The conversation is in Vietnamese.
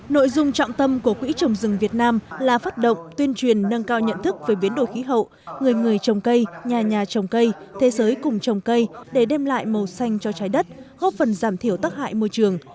nội dung trọng tâm của quỹ trồng rừng việt nam là phát động tuyên truyền nâng cao nhận thức về biến đổi khí hậu người người trồng cây nhà nhà trồng cây thế giới cùng trồng cây để đem lại màu xanh cho trái đất góp phần giảm thiểu tắc hại môi trường